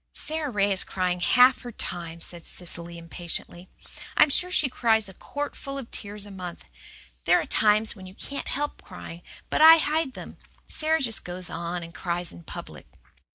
"Sara Ray is crying half her time," said Cecily impatiently. "I'm sure she cries a quartful of tears a month. There are times when you can't help crying. But I hide then. Sara just goes and cries in public."